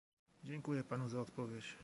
Dziękuję Panu za odpowiedź